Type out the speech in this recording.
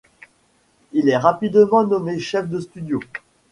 Il est rapidement nommé chef de studio.